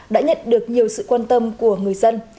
đã nhận được nhiều sự quan tâm của người dân